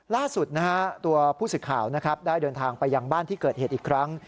ล่าสุดตัวพู้ศึกข่าวได้เดินทางไปยังบ้านที่เกิดเหตุอีกครั้ง